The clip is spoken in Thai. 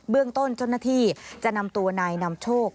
เบื้องต้นจนธีจะนำตัวนายนามโชค